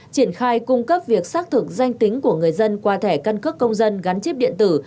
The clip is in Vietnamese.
triển khai cung cấp việc xác thực danh tính của người dân qua thẻ căn cước công dân gắn chip điện tử